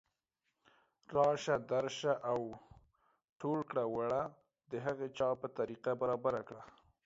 راشه درشه او او ټول کړه وړه د هغه چا په طریقه برابر کړه